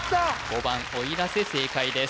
５番おいらせ正解です